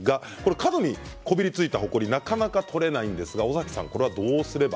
角にこびりついたほこりなかなか取れないんですが尾崎さん